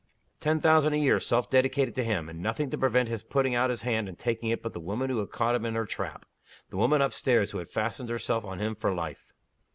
Ten thousand a year self dedicated to him and nothing to prevent his putting out his hand and taking it but the woman who had caught him in her trap, the woman up stairs who had fastened herself on him for life!